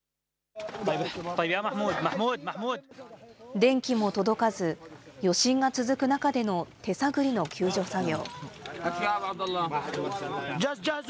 電気も届かず、余震が続く中での手探りの救助作業。